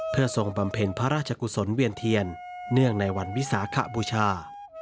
เพื่อทรงบำเพ็ญพระราชกุศลเวียนเทียนเนื่องในวันวิสาขบูชา